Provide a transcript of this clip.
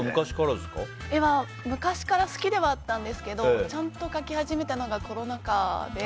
絵は昔から好きではあったんですけどちゃんと描き始めたのがコロナ禍で。